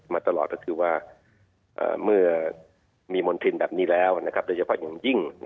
มาตลอดก็คือว่าเมื่อมีมณฑินแบบนี้แล้วโดยเฉพาะอย่างยิ่ง